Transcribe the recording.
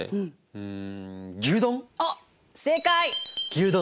うん。